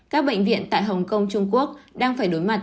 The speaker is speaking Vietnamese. các bệnh viện tại hồng kông trung quốc đang phải đối mặt